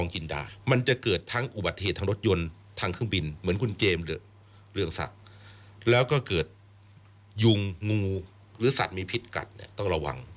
ยุงงูหรือสัตว์มีพิษกัดต้องระวัง